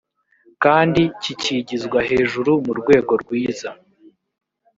kandi kikigizwa hejuru mu rwego rwiza